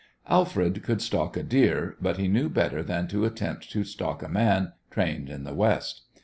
Alfred could stalk a deer, but he knew better than to attempt to stalk a man trained in the West.